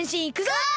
ゴー！